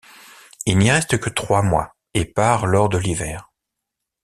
Il n'y reste que trois mois, et part lors de l'hiver.